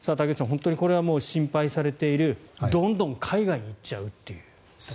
本当にこれは心配されているどんどん海外に行っちゃうっていう。